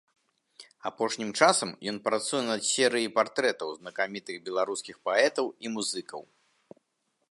Апошнім часам ён працуе над серый партрэтаў знакамітых беларускіх паэтаў і музыкаў.